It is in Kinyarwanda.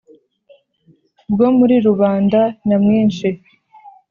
bwo muri rubanda nyamwinshi